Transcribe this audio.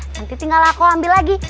nanti tinggal aku ambil lagi